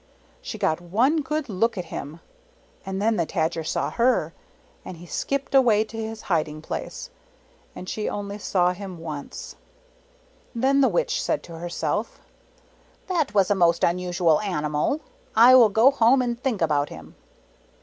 She got one good look at him, and then the Tajer saw her, and he skipped away to his hiding place, and she only saw him once. Then the Witch said to herself, "That was a most unusual animal. I will go home and think about him."